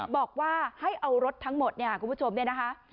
บอกว่าให้เอารถทั้งหมดเนี่ยคุณผู้ชมเนี่ยนะคะ